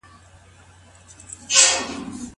د کومي ميرمني سهم به په قرعه کشي کي راووت؟